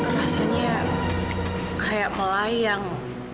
rasanya kayak melayang